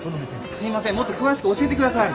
すいませんもっと詳しく教えて下さい！